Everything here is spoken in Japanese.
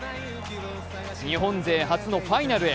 日本勢初のファイナルへ。